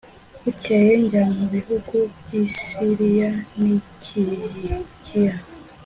bukeye njya mu bihugu by i siriya n i kilikiya